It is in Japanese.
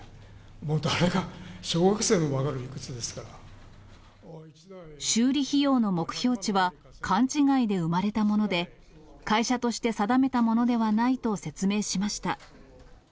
もう誰が、修理費用の目標値は勘違いで生まれたもので、会社として定めたものではないと説明しました。